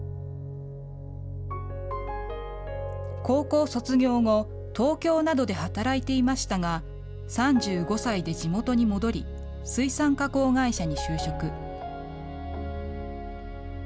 高校卒業後、東京などで働いていましたが、３５歳で地元に戻り、水産加工会社に就職。